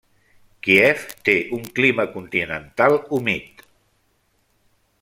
Kíev té un clima continental humit.